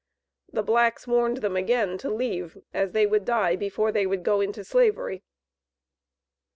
The blacks warned them again to leave, as they would die before they would go into Slavery.